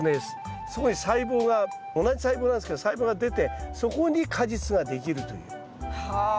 そこに細胞が同じ細胞なんですけど細胞が出てそこに果実ができるという。はあ。